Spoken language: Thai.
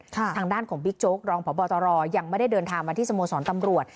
ทางด้านของบิ๊กโจ๊กรองพบตรยังไม่ได้เดินทางมาที่สโมสรตำรวจ